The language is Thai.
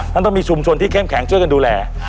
ต้องมีชุมชนที่เข้มแข็งช่วยกันดูแล